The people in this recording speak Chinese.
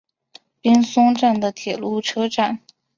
滨松站的铁路车站。